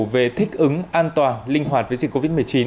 về thích ứng an toàn linh hoạt với dịch covid một mươi chín